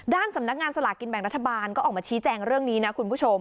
ด้านสำนักงานสลากินแบ่งรัฐบาลก็ออกมาชี้แจงเรื่องนี้นะคุณผู้ชม